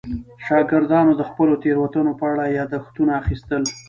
شاګردانو د خپلو تېروتنو په اړه یادښتونه اخیستل.